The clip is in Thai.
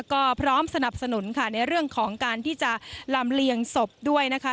ก็พร้อมสนับสนุนค่ะในเรื่องของการที่จะลำเลียงศพด้วยนะคะ